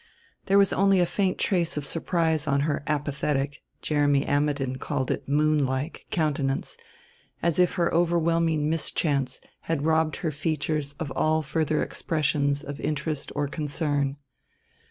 There was only a faint trace of surprise on her apathetic Jeremy Ammidon called it moonlike countenance; as if her overwhelming mischance had robbed her features of all further expressions of interest or concern.